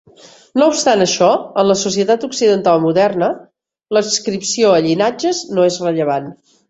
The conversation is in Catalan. No obstant això, en la societat occidental moderna l'adscripció a llinatges no és rellevant.